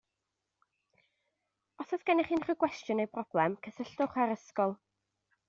Os oes genych unrhyw gwestiwn neu broblem, cysylltwch â'r ysgol.